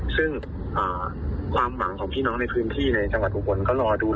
ซึ่งความหวังของพี่น้องในพื้นที่ในจังหวัดอุบลก็รอดู